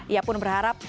ia pun berharap